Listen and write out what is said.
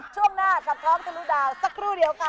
ช่วงหน้ากับพร้อมทะลุดาวสักครู่เดียวค่ะ